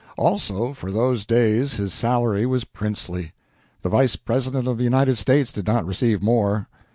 Also, for those days his salary was princely the Vice President of the United States did not receive more.